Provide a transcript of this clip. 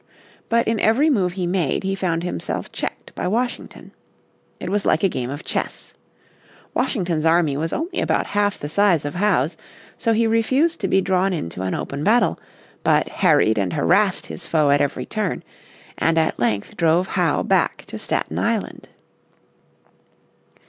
But in every move he made he found himself checked by Washington. It was like a game of chess. Washington's army was only about half the size of Howe's, so he refused to be drawn into an open battle, but harried and harassed his foe at every turn, and at length drove Howe back to Staten Island.